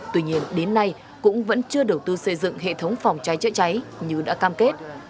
tuy nhiên đến nay cũng vẫn chưa đầu tư xây dựng hệ thống phòng cháy chữa cháy như đã cam kết